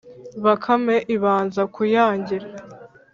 Bakame ibanza kuyangira